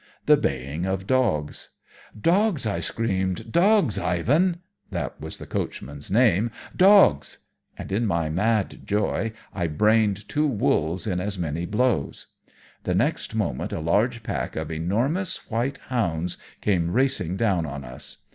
The baying of dogs! 'Dogs!' I screamed, 'Dogs, Ivan!' (that was the coachman's name) 'Dogs!' and, in my mad joy, I brained two wolves in as many blows. The next moment a large pack of enormous white hounds came racing down on us.